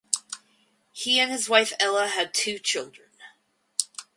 He and his wife Ella had two children.